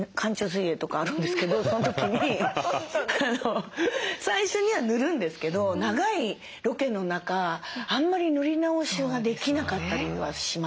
水泳とかあるんですけどその時に最初には塗るんですけど長いロケの中あんまり塗り直しはできなかったりはしますし。